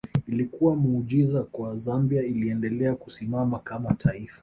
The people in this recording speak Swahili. Ilikuwa muujiza kwa Zambia iliendelea kusimama kama taifa